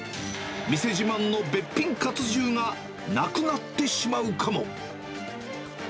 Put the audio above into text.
店自慢のべっぴんかつ重が、なくなってしまうかも。